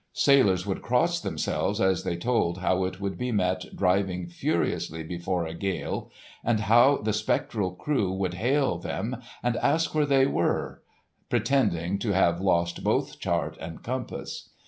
Sailors would cross themselves as they told how it would be met driving furiously before a gale, and how the spectral crew would hail them and ask where they were—pretending to have lost both chart and compass.